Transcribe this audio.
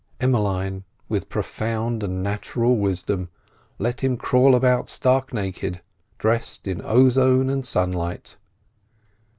Emmeline, with a profound and natural wisdom, let him crawl about stark naked, dressed in ozone and sunlight.